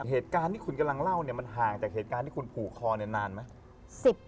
เหตุการณ์ที่คุณกำลังเล่าเนี่ยมันห่างจากเหตุการณ์ที่คุณผูกคอเนี่ยนานไหม